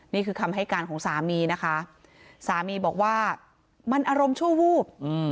นี่คือคำให้การของสามีนะคะสามีบอกว่ามันอารมณ์ชั่ววูบ